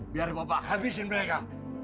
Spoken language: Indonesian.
biar bapak habisin mereka